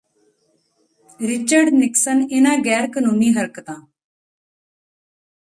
Richard Nixon ਇਨ੍ਹਾਂ ਗ਼ੈਰ ਕਨੂੰਨੀ ਹਰਕਤਾਂ